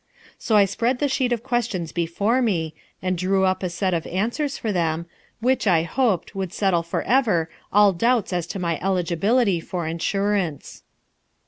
So I spread the sheet of questions before me, and drew up a set of answers for them, which, I hoped, would settle for ever all doubts as to my eligibility for insurance.